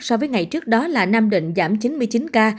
so với ngày trước đó là nam định giảm chín mươi chín ca